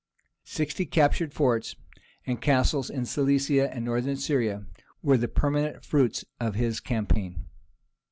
Sixty captured forts and castles in Cilicia and North Syria were the permanent fruits of his campaign.